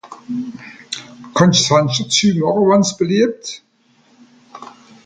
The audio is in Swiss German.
Kann'sch s'Fenschter züemache wann's beliebt?